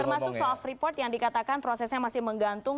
termasuk soft report yang dikatakan prosesnya masih menggantung